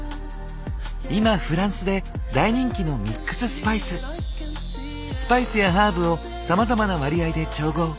今フランスで大人気のスパイスやハーブをさまざまな割合で調合。